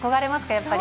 やっぱり。